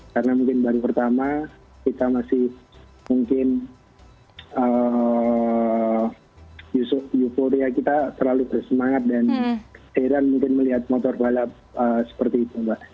karena mungkin baru pertama kita masih mungkin euforia kita terlalu bersemangat dan heran mungkin melihat motor balap seperti itu mbak